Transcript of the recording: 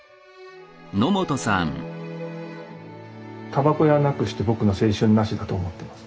煙草屋なくして僕の青春なしだと思ってます。